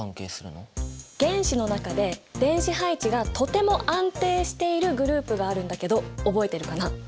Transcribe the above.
原子の中で電子配置がとても安定しているグループがあるんだけど覚えているかな？